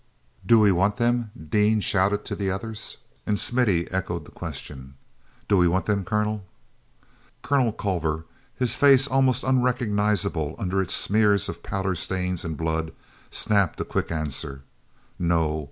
"Do we want them?" Dean shouted to the others. And Smithy echoed the question: "Do we want them, Colonel?" Colonel Culver, his face almost unrecognizable under its smears of powder stains and blood, snapped a quick answer: "No.